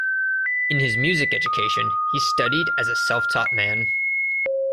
In his music education he studied as a self-taught man.